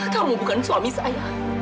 kamu bukan suami saya